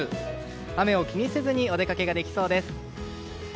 雨を気にせずお出かけができそうです。